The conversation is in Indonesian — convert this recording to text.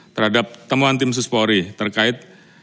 terhadap temuan tim suspori terkait